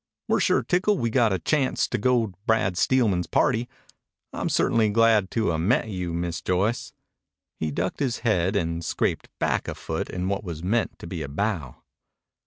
"We're sure tickled we got a chanct to go to Brad Steelman's party. I'm ce'tainly glad to 'a' met you, Miss Joyce." He ducked his head and scraped back a foot in what was meant to be a bow.